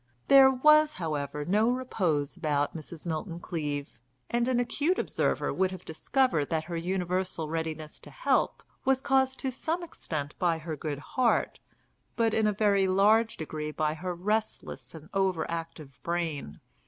There was, however, no repose about Mrs. Milton Cleave, and an acute observer would have discovered that her universal readiness to help was caused to some extent by her good heart, but in a very large degree by her restless and over active brain.